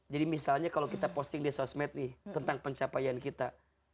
jadi misalnya kalo kita posting di sosmed nih tentang pencapaian kita